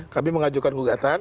kami mengajukan gugatan